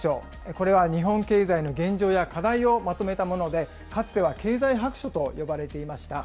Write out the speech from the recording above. これは日本経済の現状や課題をまとめたもので、かつては経済白書と呼ばれていました。